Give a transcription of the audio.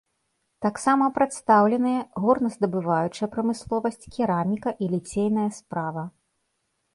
Таксама прадстаўленыя горназдабываючая прамысловасць, кераміка і ліцейная справа.